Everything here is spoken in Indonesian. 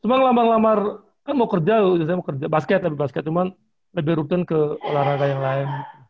cuma ngelamar ngelamar kan mau kerja lho biasanya basket basket cuma lebih rutin ke olahraga yang lain